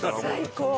最高！